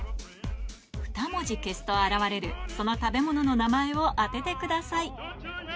２文字消すと現れるその食べ物の名前を当ててください